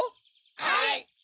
はい！